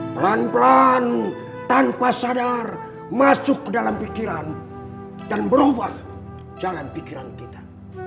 pelan pelan tanpa sadar masuk ke dalam pikiran dan berubah jalan pikiran kita